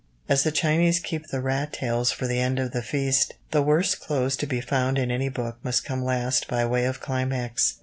As the Chinese keep the rat tails for the end of the feast, the worst clothes to be found in any book must come last by way of climax.